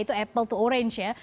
itu apple to orange ya